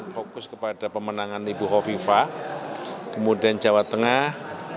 fokus kepada pemenangan ibu hovifa kemudian jawa tengah